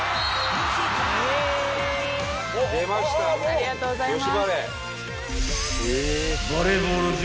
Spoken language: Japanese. ありがとうございます。